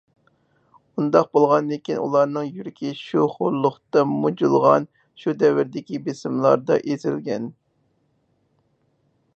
ئۇنداق بولغاندىكىن، ئۇلارنىڭ يۈرىكى شۇ خورلۇقتا مۇجۇلغان، شۇ دەۋردىكى بېسىملاردا ئېزىلگەن.